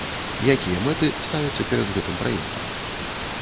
Якія мэты ставяцца перад гэтым праектам?